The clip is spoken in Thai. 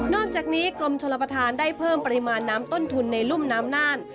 อกจากนี้กรมชลประธานได้เพิ่มปริมาณน้ำต้นทุนในรุ่มน้ำน่าน